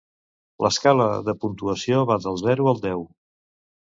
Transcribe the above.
L'escala de puntuació va del zero al deu.